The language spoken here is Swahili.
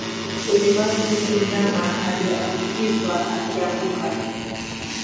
Ulemavu huku mnyama aliyeambukizwa akianguka